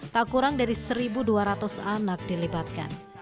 tak kurang dari satu dua ratus anak dilibatkan